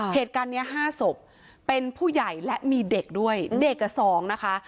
เหตุการณ์เนี้ยห้าศพเป็นผู้ใหญ่และมีเด็กด้วยเด็กกับ๒นะคะ